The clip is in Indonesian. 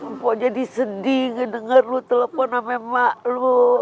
mpok jadi sedih ngedenger lu telepon sampe mak lu